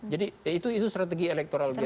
jadi itu strategi elektoral biasa